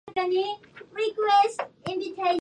この日記には、相当鴨川の美を叙述したものがあります